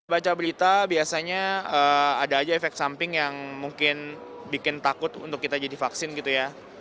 baca berita biasanya ada aja efek samping yang mungkin bikin takut untuk kita jadi vaksin gitu ya